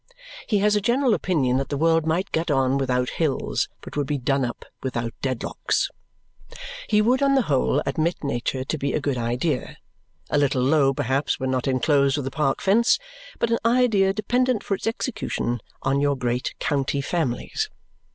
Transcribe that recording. He has a general opinion that the world might get on without hills but would be done up without Dedlocks. He would on the whole admit nature to be a good idea (a little low, perhaps, when not enclosed with a park fence), but an idea dependent for its execution on your great county families.